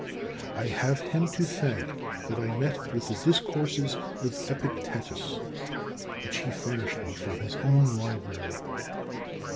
I have him to thank that I met with the discourses of Epictetus, which he furnished me from his own library.